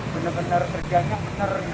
benar benar kerjanya benar